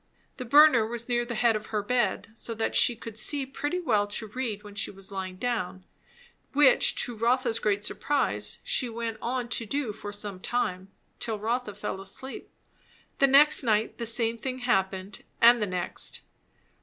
The burner was near the head of her bed, so that she could see pretty well to read when she was lying down; which to Rotha's great surprise she went on to do for some time till Rotha fell asleep. The next night the same thing happened, and the next.